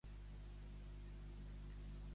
Auxilia els monarques quan només hi ha guerra?